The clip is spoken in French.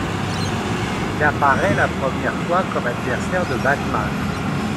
Il apparaît la première fois comme adversaire de Batman.